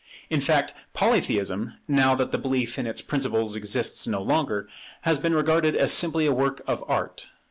In fact Polytheism, now that the belief in its principles exists no longer, has been regarded as simply a work of art.